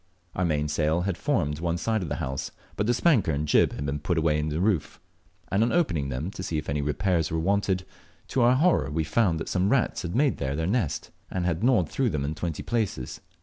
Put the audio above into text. Our mainsail had formed one side of our house, but the spanker and jib had been put away in the roof, and on opening them to see if any repairs were wanted, to our horror we found that some rats had made them their nest, and had gnawed through them in twenty places.